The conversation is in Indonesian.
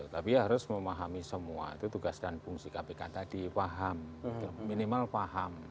tapi harus memahami semua itu tugas dan fungsi kpk tadi paham minimal paham